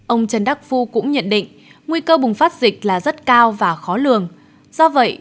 ông trần đắc phu cũng nhận định nguy cơ bùng phát dịch là rất cao và khó lường do vậy